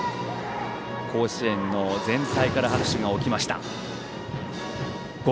甲子園全体から拍手が起きました。